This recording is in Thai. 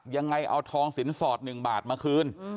ยังไงเอาทองสินสอด๑บาทมาคืน